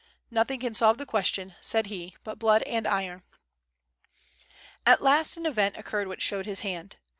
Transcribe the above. "Nothing can solve the question," said he, "but blood and iron." At last an event occurred which showed his hand.